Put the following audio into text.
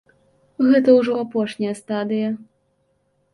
Гэта ўжо апошняя стадыя!